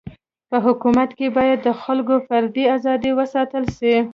په حکومت کي باید د خلکو فردي ازادي و ساتل سي.